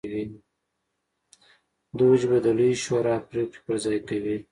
دوج به د لویې شورا پرېکړې پر ځای کوي